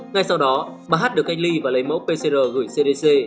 ngay sau đó bà hát được cách ly và lấy mẫu pcr gửi cdc